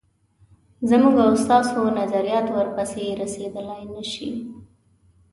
زموږ او ستاسو نظریات ورپسې رسېدلای نه شي.